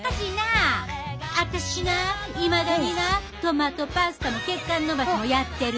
あたしないまだになトマトパスタも血管伸ばしもやってる。